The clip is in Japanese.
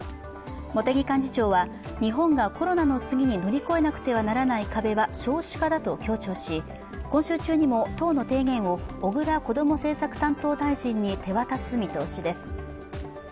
茂木幹事長は日本がコロナの次に乗り越えなくてはならない壁は少子化だと強調し、今週中にも党の提言を小倉こども政策担当大臣に手渡す見通しです。